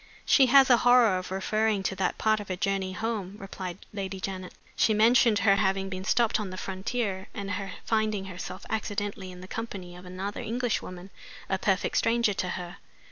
"She has a horror of referring to that part of her journey home," replied Lady Janet. "She mentioned her having been stopped on the frontier, and her finding herself accidentally in the company of another Englishwoman, a perfect stranger to her.